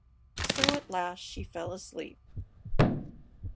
So at last she fell asleep.